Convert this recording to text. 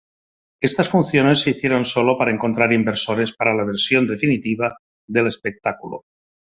Estas funciones se hicieron solo para encontrar inversores para la versión definitiva del espectáculo.